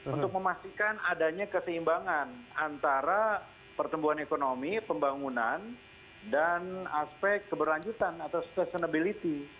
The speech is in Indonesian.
untuk memastikan adanya keseimbangan antara pertumbuhan ekonomi pembangunan dan aspek keberlanjutan atau sustainability